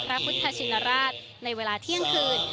พระพุทธชินราชในเวลาเที่ยงคืน